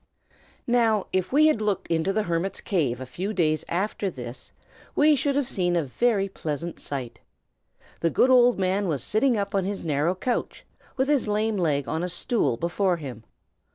NOW, if we had looked into the hermit's cave a few days after this, we should have seen a very pleasant sight. The good old man was sitting up on his narrow couch, with his lame leg on a stool before him.